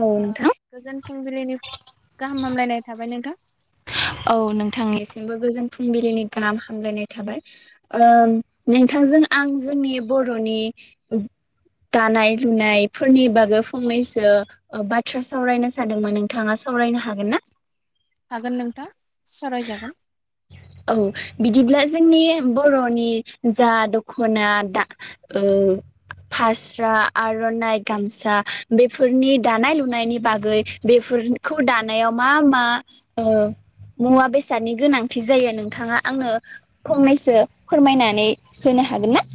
औ ओ नोंथां गोजोन फुंबिलिनि गाहाम हामलायनाय थाबाय नोंथां। औ नोंथांनिसिमबो गोजोन फुंबिलिनि गाहाम हामलायनाय थाबाय ओ नोंथांजों आं जोंनि बर'नि दानाय लुनायफोरनि बागै फंनैसो बाथ्रा सावरायनो सानदोंमोन नोंथाङा सावरायनो हागोन ना? हागोन नोंथा सावरायजागोन। औ बिदिब्ला जोंनि बर'नि जा दख'ना दा ओ फास्रा आर'नाइ गामसा बेफोरनि दानाय लुनायनि बागै बेफोरखौ दानायाव मा मा ओ मुवा बेसादनि गोनांथि। जायो नोंथाङा आंनो फंनैसो फोरमायनानै होनो हागोन ना?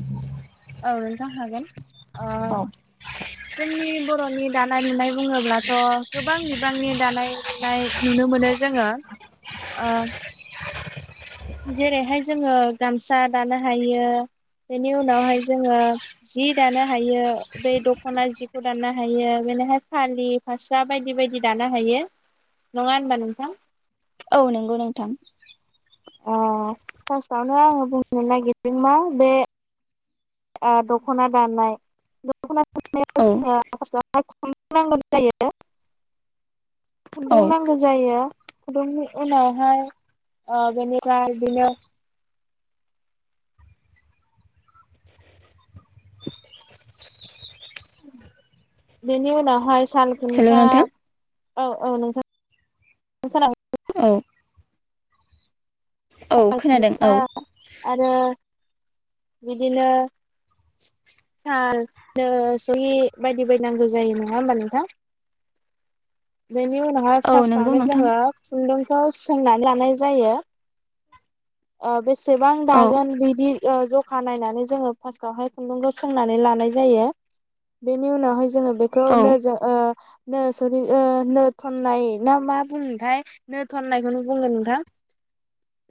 औ [inaudible] ओ औ जोंनि बर'नि दानाय लुनाय। बुङोब्लाथ' गोब गोबां बिबांनि दानाय लुनाय। नुनो मोनो जोङो ओ। जेरैहाय जोङो गामसा दानो हायो बेनि उनावहाय जोङो जि दानो हायो। बे दख'ना जि खौ दाननो हायो बेनिहाय फालि फास्रा बायदि बायदि दानो हायो। नङा होनबा नोंथां? औ नंगौ नोंथां अ फार्स्टआवनो आङो बुंनो नागिरदों मा बे दख'ना दानाय दख'ना औ [unintelligible] सनांगौ जायो। औ खुन्दुं नांगौ जायो। खुदुंनि उनावहाय ओ बेनिफ्राय बिदिनो बेनि उनावहाय साल हेल' खुन्था नोंथां औ औ नोंथां खोना औ औ खोनादों औ आरो बिदिनो साल सहि बायदि बायनांगौ जायो नङा होमबा नोंथां? बेनि उनावहाय औ नंगौ फार्स्टावनो नोंथां जोङो खुन्दुं खौ सोंनानै लानाय जायो ओ। बेसेबां औ दागोन बिदि ओ ज फा नायनानै जोङो फास्टावहाय खुन्दुं गोसोम सोंनानै लानाय जायो बेनि उनाव। जोङो बेखौनो औ नोजो ओ नो सरि नो थननाय ना मा बुंनोथाय नो थननायखौनो बुंगोन नोंथां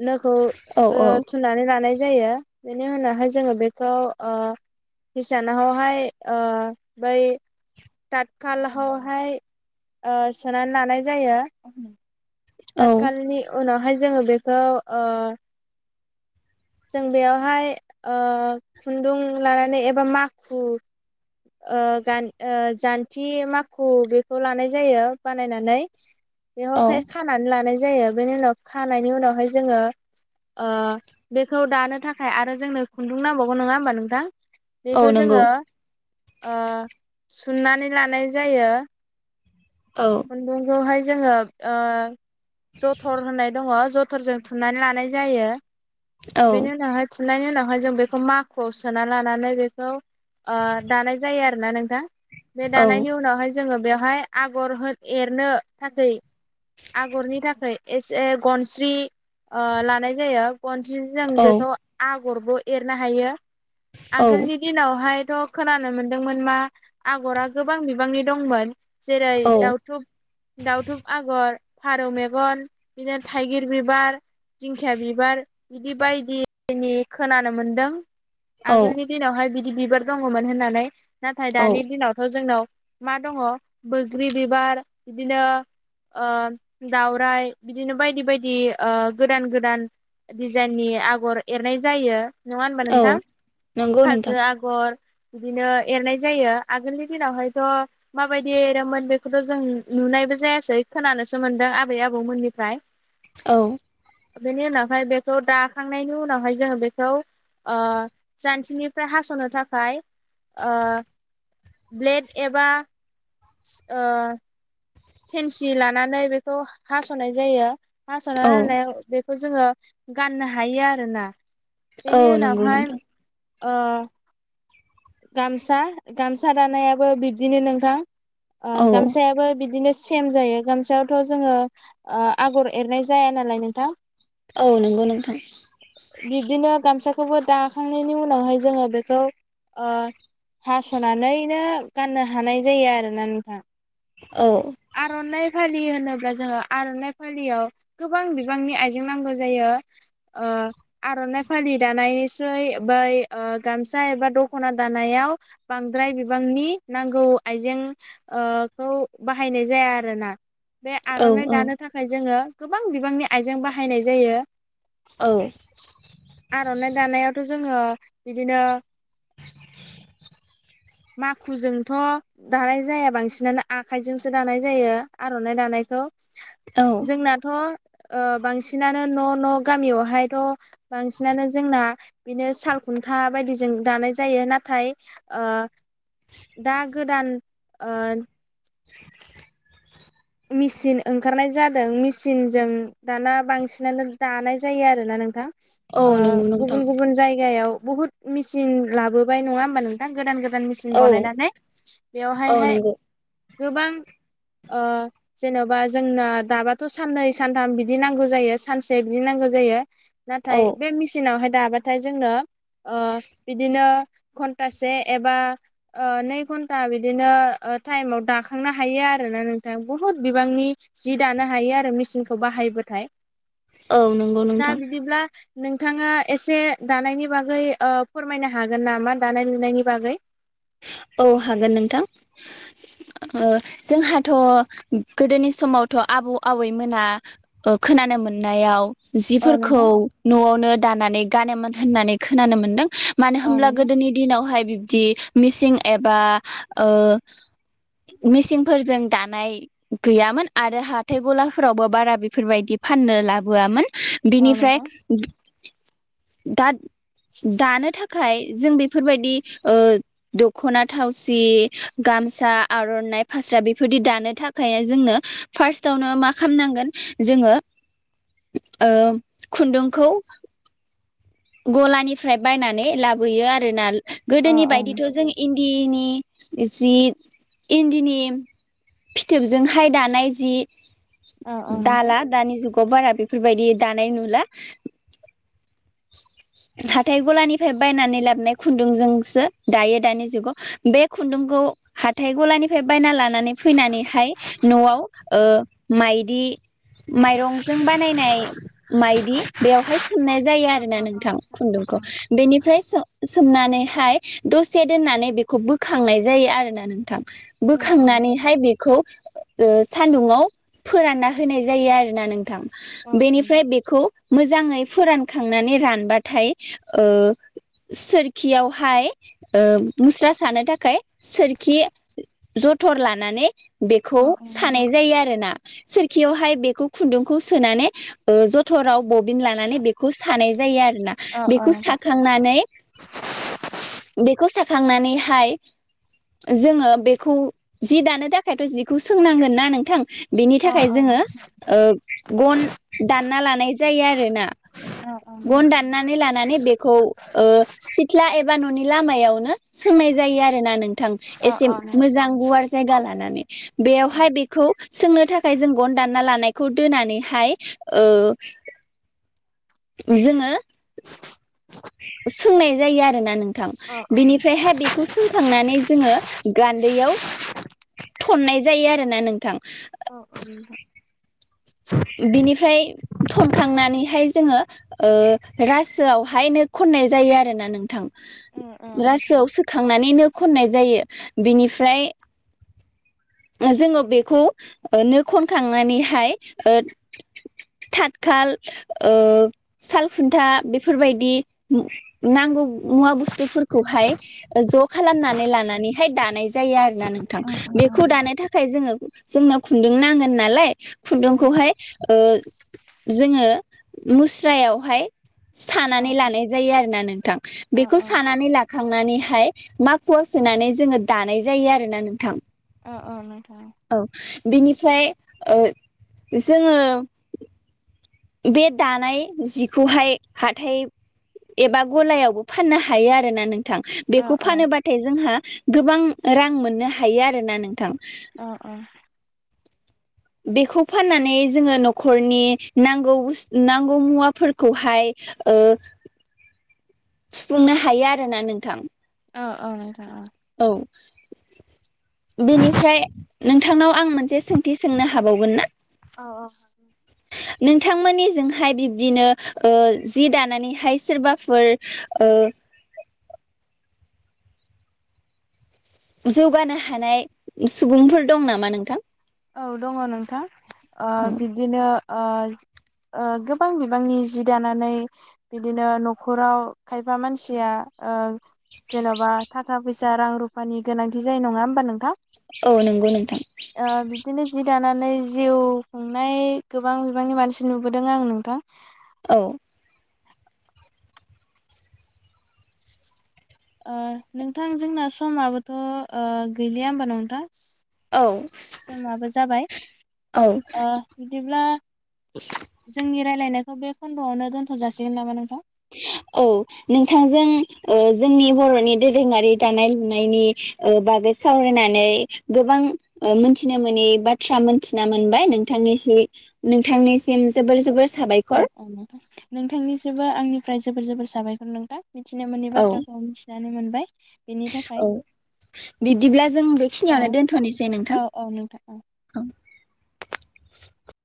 नोखौ औ ओ औ थुननानै लानाय जायो बेनि उनावहाय जोङो बेखौ ओ हिसानावहाय ओ बै तात खालावहाय सोनानै लानाय जायो। औ ताखालनि उनावहाय जोङो बेखौ ओ जों बेयावहाय ओ खुन्दुं लानानै एबा माखुन जान्थि माखु बेखौ लानाय जायो बानायनानै औ बेयावखाय खानानै लानाय जायो जायो बेनि उनाव खानायनि उनावहाय जोङो ओ बेखौ दानो थाखाय आरो जोंनो खुन्दुं नांबावगौ नङा होमबा नोंथां? औ बेखौ नंगौ जोङो ओ सुननानै लानाय जायो। औ खुनदुं खौहाय जोङो ओ जथर होननाय दङ जथ मटरजों थुननानै लानाय जायो औ बेेनि उनावहाय थुननायनि उनाव ओमाफाय जों बेखौ माखुआव सोना लानानै बेखौ ओ दानाय जायो आरोना नोंथां बे औ दानायनि उनावहाय जोङो बेवहाय आगर होन एरनो थाखाय आगरनि थाखाय एसे गनस्रि ओ लानाय जायो जि जों बेखौ आग गरबो एरनो हायो औ आगोलनि दिनावहाय थ खोनानो मोनदोंमोन मा आगरा गोबां बिबांनि दंमोन जेरै औ दउथुब दाउथुब आगर फारौ मेगन बिदिनो थाइगिर बिबार दिंखिया बिबार बिदि बायदिनि खोनानो मोनदों औ आगोलनि दिनावहाय बिद बिदि बिबार दङमोन होननानै नाथाय औ दानि दिनावथ' जोंनाव मा दङ बोग्रि बिबार बिदिनो ओ दाउराइ बिदिनो बायदि बायदि ओ गोदान गोदान दिजाइननि आगर एरनाय जायो नङा होनबा औ नोंथां नंगौ नोंथां हाजो आगर बिदिनो एरनाय जायो आगोलनि दिनावहायथ' माबायदि एरोमोन बेखौथ' जों नुनायबो जायासै खोनानोसो मोनदों आबै आबौमोननि फ्राय औ बेेनि उनावहाय बे थ' दाखांनायनि उनावहाय जोङो बेखौ ओ जानथिनिफ्राय हास'नो थाखाय ओ ब्लेड एबा ओ खेनसि लानानै बेखौ हास'नाय जायो हसना औ नायनो बे खौ जोङो गाननो हायो आरो ना औ बेनि नंगौ उनावहाय नोंथां अ गामसा गामसा दानायाबो बिब्दिनो नोंथां ओ औ गामसायाबो बिदि बिदिनो सेम जायो गामसायावथ' जोङो ओ आगर एरनाय जाया नालाय नोंथां औ नंगौ नोंथां खौबो दाखांनायनि उनावहाय जोङो बेखौ ओ हास'नानैनो गाननो हानाय जायो आरोना नोंथां औ आर'नाय नाय फालि फालि होनोब्ला जोङो आर'नाइ फालियाव गोबां बिबांनि आइजें नांगौ जायो ओ आर'नाइ फालि दानायनि सुय बै गामसा एबा दख'ना दानायाव बांद्राय बिबांनि नांगौ आइजें ओ खौ बाहायनाय जाया आरोना बे औ आर'नाइ औ दानो थाखाय जोङो गोबां बिबांनि आइजें बाहायनाय जायो औ आर'ना दानायवथ' जोङो बिदिनो। माखुजोंथ' दानाय जाया बांसिनानो आ आखाइजोंसो दानाय जायो आर'नाइ दानायखौ औ जोंनाथ' ओ बांसिनानो न' न' गामियावहायथ' बांसिनानो जोंना बिनो सालखुन्था बायदिजों दानाय जायो नाथाय ओ दा गोदान ओ [inaudible] मेचिन ओंखारनाय जादों मेचिनजों दाना बांसिनानो दानाय जायो आरोना नोंथां। औ नंगौ नोंथां गुबुन गुबुन जायगायाव। बहुत मेसिन लाबोबाय नङा होमबा नोंथां गोदान गोदान। मेचिन औ बनायनानै बेयावहाय औ हाय नंगौ गोबां ओ जेन'बा जोंनो दाबाथ' साननै सानथाम बिदि नांगौ जायो सानसे बिदि नांगौ जायो। नाथाय औ बे मेचिनावहाय दाबाथाय जोंनो ओ बिदिनो घन्टासे एबा नै घन्टा बिदिनो टाइमाव दाखांनो हायो आरोना नोंथां बुहुद बिबांनि जि दानो हायो आरो मेचिनखौ बाहाय बाथाय। औ नंगौ नोंथां नोंथाङा एसे दानायनि बागै ओ फोरमायनो हागोन नामा दानाय लुनायनि बागै? औ हागोन नोंथां जोंहाथ' गोदोनि समावथ' आबौ आबैमोना खोनानो मोननायाव औ जिफोरखौ नोंथां न'आवनो दानानै गानोमोन होननानै खोनानो मोन्दों। मानो औ होमब्ला नोंथां गोदोनि दिनावहाय बिब दि मिसिं एबा ओ मिसिंफोरजों दानाय गैयामोन आरो हाथाय गलाफोरावबो बारा बेफोरबायदि फाननो लाबोआमोन। औ बिनिफ्राय नोंथां दा दानो थाखाय जों बेफोरबायदि ओ दखना थावसि गामसा आर'नाइ फास्रा बेफोरदि दानो थाखाय जोंनो फार्स्टआवनो मा खामनांगोन ओ जोङो खुन्दुंखौ गलानिफ्राय बायनानै लाबोयो आरोना औ गोदोनि औ बायदिथ' नोंथां जों इन्दिनि जि इन्दिनि फिथोबजोंहाय दानाय जि औ औ नोंथां दाला दानि जुगाव अ बारा बेफोर बायदि दानाय नुला हाथाय गलानिफ्राय बायनानै लाबोनाय खुन्दुंजोंसो दायो दानि जुगाव बे खुन्दुंखौ हाथाय गलानिफ्राय बायनानै लानानै नानै फैनानैहाय न'आव ओ माइदि माइरंजों बानायनाय माइदि बेवहाय सोमनाय जायो अ आरो ना अ नों अ अ खुन्दुंखौ बेनिफ्राय सोम सोमनानै हाय दसे दोननानै बेखौ बोखांनाय जायो आरोना नोंथां बोखांनानै हाय बेखौ ओ सान्दुंआव फोरानना होनाय जायो आरोना नोंथां अ बेनिफ्राय बेखौ मोजाङै फोरानखांनानै रानबा थाय ओ सोरखियावहाय ओ मुस्रा सानो थाखाय सोरखि जथर लानानै बेखौ अ नोंथां। सानाय जायो आरोना सोरखियावहाय बेखौ खुन्दुंखौ सोनानै ओ जथराव बबिन लानानै बेखौ सानाय जायो अ अ बेखौ नोंथां। साखांनानै बेखौ सा खांनानैहाय जोङो बेखौ जि दानो थाखायथ' जिखौ सोंनांगोन ना नोंथां बेनि अ थाखाय जोङो ओ गन दानना लानाय जायो आरो ना अ अ गन दान नानै लानानै बेखौ ओ सिथ्ला एबा न'नि लामायावनो सोंनाय जायो आरोना नोंथां अ एसे अ नोंथां। मोजां गुवार जायगा लानानै बेवहाय अ बेखौ सोंनो थाखाय जों गन दानना लानायखौ दोनानैहाय ओ जोङो सोंनाय जायो आरोना नों थां अ अ बिनिफ्रायहाय बेखौ सोंखांनानै जोङो गान्दैयाव थननाय जायो आरो ना नोंथां औ औै नोंथां बिनिफ्राय थनखांनानै हाय जोङो ओ रासोआवहाय नो खननाय जायो आरोना नोंथां अ नोंथां। रासोआव सोखांनानै नो खननाय जायो बिनिफ्राय जोङो बेखौ नो खनखांनानै हाय ओ थाथखाल ओ सालखुन्था बेफोरबायदि नांगौ मुवा बुस्थुफोरखौहाय ज' खालामनानै लानानैहाय दानाय जायो आरोना नोंथां अ बेखौ नोंथां। दानो थाखाय जोङो जोंनो खुन्दुं नांगोन नालाय खौहाय ओ जोङो मुस्रायावहाय अ सानानै लानाय जायो आरोना नोंथां अ बेखौ अ नोंथां। अ सानानै ला खांनानैहाय माखुआव सोनानै जोङो दानाय जायो आरो ना नोंथां औ औ नोंथां बेनिफ्राय ओ जोङो बे दानाय जिखौहाय हाथाय एबा गलायावबो फाननो हायो आरो ना नों थां अ बेखौ फानोबाथाय जोंहा गोबां रां मोननो हायो आरोना नोंथां अ अ बेखौ फाननानै जोङो न'खरनि नांगौ बु नांगौ मुवाफोरखौहाय‌ ओ सुफुंनो हायो आरोना नोंथां औ औ नोंथां अ औ बेनिफ्राय नोंथांनाव आं मोनसे सोंथि सोंनो हाबावगोन ना औ औ नोंथांमोननिजोंहाय बिब्दिनो ओ जि दानानैहाय सोरबाफोर ओ जौगानो हानाय सुबुंफोर दं नामा नोंथां? औ दङ नोंथां ओ औ बिबदिनो ओ ओ गोबां बिबांनि जि दानानै बिदिनो न'खराव खायफा मानसिया ओ जेन'बा थाखा फैसा रां रुफानि गोनांथि जायो नङा होमबा नोंथां? औ नंगौ नोंथां ओ बिदिनो जि दानानै जिउ खुंनाय गोबां बिबांनि मानसि नुबोदों आं नोंथां। औ नोंथां जोंना समाबोथ' ओ गैलिया होमबा नोंथां औ समाबो जाबाय औ ओ बिदिब्ला जोंनि रायलायनाय खौ बे खन्द'आवनो दोनथ' जासिगोन नामा नोंथां? औ नोंथांजों ओ जोंनि बर'नि दोरोङारि दानाय लुनायनि बागै सावरायनानै गोबां मोनथिनो मोनै बाथ्रा मोनथिना मोनबाय नोंथांनिसि नोंथांनिसिम जोबोर जोबोर अ साबायखर औ नोंथां नोंथांनिसबो आंनि ओफ्राय जोबोर जोबोर साबायखर नोंथां मिथिनो मोनै औ बाथ्राखौ मिथिना नानै मोनबाय बेनि थाखाय औ बिदिब्ला जों ओ बेखिनियावनो दोनथ'नोसै औ नोंथां औ नोंथां औ। औ [inaudible]